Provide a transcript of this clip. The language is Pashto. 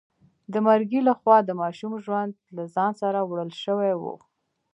د مرګي لخوا د ماشوم ژوند له ځان سره وړل شوی و.